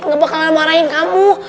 nggak bakalan marahin kamu